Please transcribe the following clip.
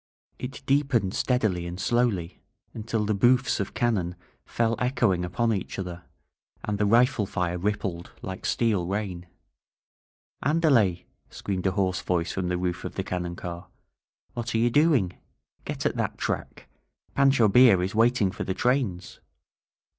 It deepened steadily and slowly, until the booffs of cannon fell echoing upon each other, and the rifle fire rippled like steel rain. AndaleF* screamed a hoarse voice from the roof of the cannon car. "What are you doing? Get at that track! Pancho Villa is waiting for the trains!"